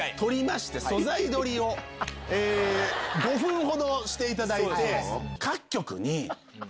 ５分ほどしていただいて。